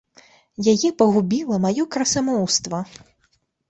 Яе пагубіла маё красамоўства.